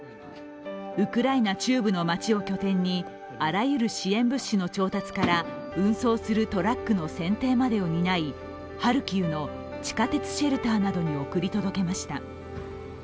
ウクライナ中部の街を拠点に、あらゆる支援物資の調達から運送するトラックの選定までを担い、ハルキウの地下鉄シェルターなどに送り届けました。